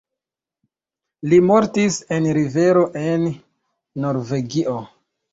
Li mortis en rivero en Norvegio.